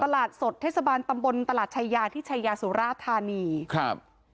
ตลาดสดเทศบาลตำบลตลาดไชยาที่ไชยาศุราษฎรรย์ครับ